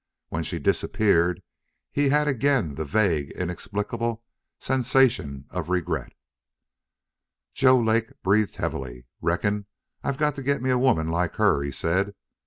When she disappeared he had again the vague, inexplicable sensation of regret. Joe Lake breathed heavily. "Reckon I've got to get me a woman like her," he said.